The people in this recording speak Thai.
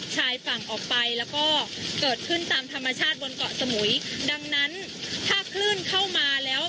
ชายฝั่งออกไปแล้วก็เกิดขึ้นตามธรรมชาติบนเกาะสมุยดังนั้นถ้าคลื่นเข้ามาแล้ว